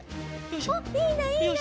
おっいいねいいね！